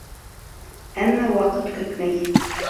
Әммә ваҡыт көтмәй.